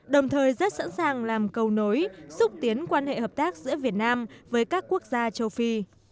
đồng thời rất sẵn sàng làm cầu nối xúc tiến quan hệ hợp tác giữa việt nam với các quốc gia châu phi